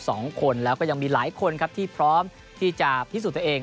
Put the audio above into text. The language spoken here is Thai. สองคนแล้วก็ยังมีหลายคนครับที่พร้อมที่จะพิสูจน์ตัวเอง